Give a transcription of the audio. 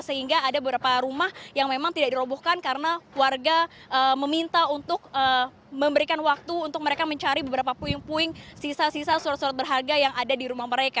sehingga ada beberapa rumah yang memang tidak dirobohkan karena warga meminta untuk memberikan waktu untuk mereka mencari beberapa puing puing sisa sisa surat surat berharga yang ada di rumah mereka